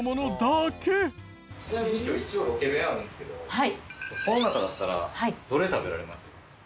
ちなみに今日一応ロケ弁あるんですけどこの中だったらどれ食べられます？